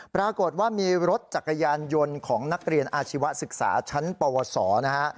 ปรากฏว่ามีรถจักรยานยนต์ของนักเรียนอาชีวศึกษาชั้นปวสนะฮะ